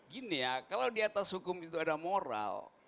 gini ya kalau di atas hukum itu ada moral